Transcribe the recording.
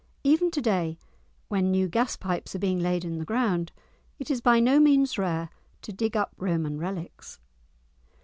Even to day, when new gas pipes are being laid in the ground, it is by no means rare to dig up Roman relics.